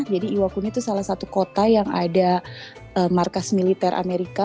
jadi iwakuni itu salah satu kota yang ada markas militer amerika